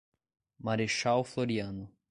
Marechal Floriano